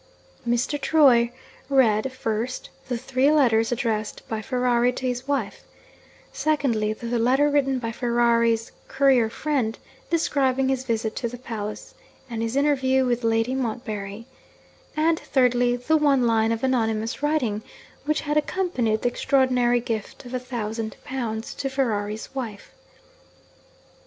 Mr. Troy read (first) the three letters addressed by Ferrari to his wife; (secondly) the letter written by Ferrari's courier friend, describing his visit to the palace and his interview with Lady Montbarry; and (thirdly) the one line of anonymous writing which had accompanied the extraordinary gift of a thousand pounds to Ferrari's wife.